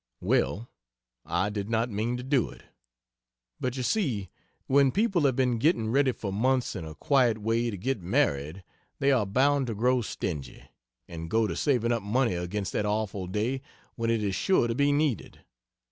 Well, I did not mean to do it. But you see when people have been getting ready for months in a quiet way to get married, they are bound to grow stingy, and go to saving up money against that awful day when it is sure to be needed.